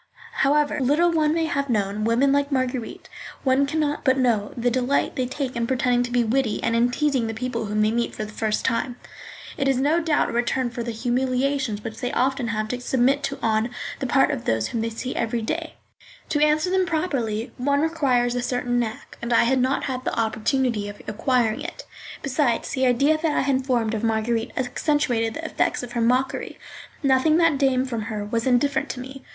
However little one may have known women like Marguerite, one can not but know the delight they take in pretending to be witty and in teasing the people whom they meet for the first time. It is no doubt a return for the humiliations which they often have to submit to on the part of those whom they see every day. To answer them properly, one requires a certain knack, and I had not had the opportunity of acquiring it; besides, the idea that I had formed of Marguerite accentuated the effects of her mockery. Nothing that came from her was indifferent to me.